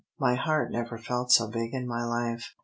My heart never felt so big in my life.